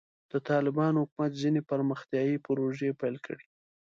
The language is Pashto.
د طالبانو حکومت ځینې پرمختیایي پروژې پیل کړې.